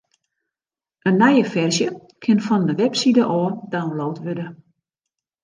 In nije ferzje kin fan de webside ôf download wurde.